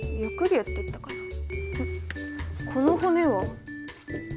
この骨は。